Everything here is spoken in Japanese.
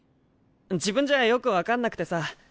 自分じゃよく分かんなくてさ。